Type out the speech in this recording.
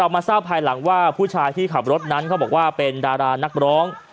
มาทราบภายหลังว่าผู้ชายที่ขับรถนั้นเขาบอกว่าเป็นดารานักร้อง